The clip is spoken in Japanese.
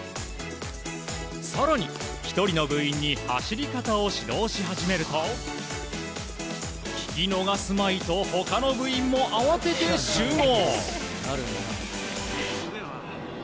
更に１人の部員に走り方を指導し始めると聞き逃すまいと他の部員も慌てて集合。